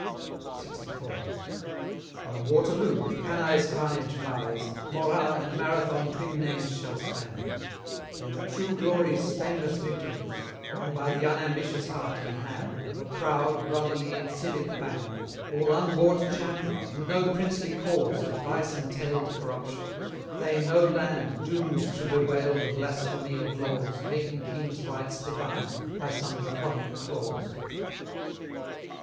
LXIV. While Waterloo with Cannae's carnage vies, Morat and Marathon twin names shall stand; They were true Glory's stainless victories, Won by the unambitious heart and hand Of a proud, brotherly, and civic band, All unbought champions in no princely cause Of vice entailed Corruption; they no land Doomed to bewail the blasphemy of laws Making king's rights divine, by some Draconic clause.